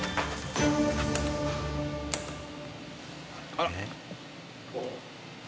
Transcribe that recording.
あら！